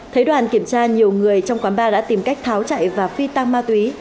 thấy đoàn kiểm tra nhiều người trong quán bar đã tìm cách tháo chạy và phi tăng ma túy